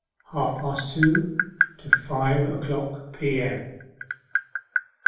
HALF PAST TWO TO FIVE O'CLOCK P.M.